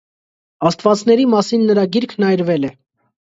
Աստվածների մասին նրա գիրքն այրվել է։